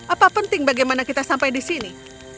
apa penting bagaimana kita sampai di sini